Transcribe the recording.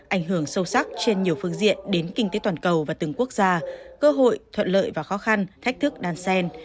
ảnh hưởng sâu sắc trên nhiều phương diện đến kinh tế toàn cầu và từng quốc gia cơ hội thuận lợi và khó khăn thách thức đan sen